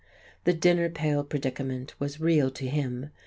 The dinner pail predicament was real to him.